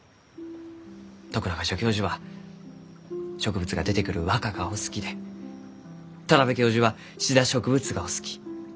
徳永助教授は植物が出てくる和歌がお好きで田邊教授はシダ植物がお好き。